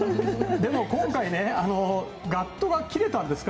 でも今回ガットが切れたんですか？